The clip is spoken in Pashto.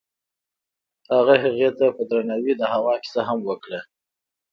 هغه هغې ته په درناوي د هوا کیسه هم وکړه.